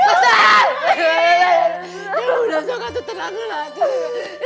ya udah sudah tuh tenang dulu